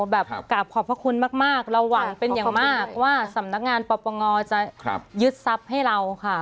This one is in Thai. แบบกราบขอบพระคุณมากเราหวังเป็นอย่างมากว่าสำนักงานปปงจะยึดทรัพย์ให้เราค่ะ